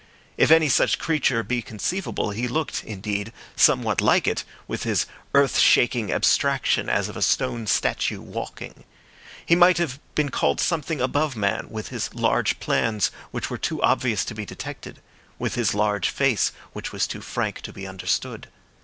If any such creature be conceivable, he looked, indeed, somewhat like it, with his earth shaking abstraction, as of a stone statue walking. He might have been called something above man, with his large plans, which were too obvious to be detected, with his large face, which was too frank to be understood.